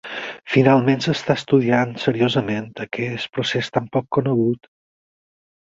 Finalment s'està estudiant seriosament aquest procés tan poc conegut.